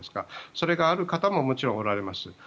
それがある方ももちろんおられます。